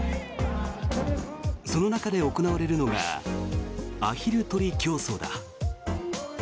その中で行われるのがアヒル取り競争だ。